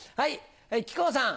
木久扇さん。